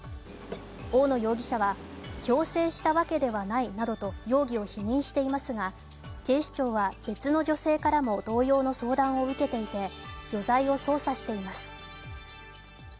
大野容疑者は、強制したわけではないなどと容疑を否認していますが、警視庁は別の女性からも同様の相談を受けていて余罪を捜査しています。